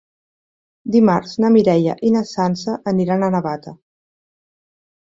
Dimarts na Mireia i na Sança aniran a Navata.